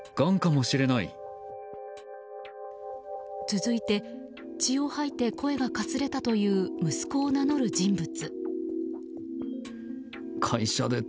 続いて、血を吐いて声がかすれたという息子を名乗る人物。